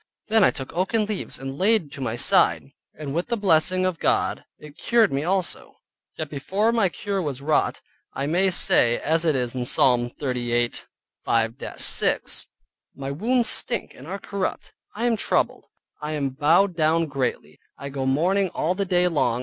Then I took oaken leaves and laid to my side, and with the blessing of God it cured me also; yet before the cure was wrought, I may say, as it is in Psalm 38.5 6 "My wounds stink and are corrupt, I am troubled, I am bowed down greatly, I go mourning all the day long."